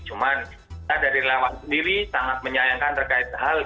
cuman kita dari lawan sendiri sangat menyayangkan terkait hal